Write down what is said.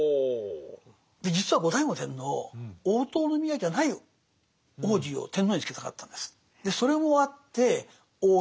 実は後醍醐天皇大塔宮じゃない皇子を天皇につけたかったんです。